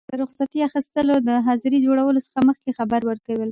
د رخصتي اخیستلو لپاره د حاضرۍ جوړولو څخه مخکي خبر ورکول.